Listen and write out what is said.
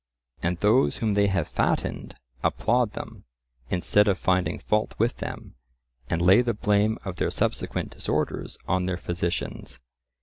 And those whom they have fattened applaud them, instead of finding fault with them, and lay the blame of their subsequent disorders on their physicians.